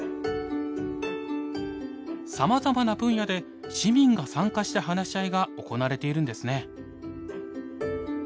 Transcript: さまざまな分野で市民が参加した話し合いが行われているんですね。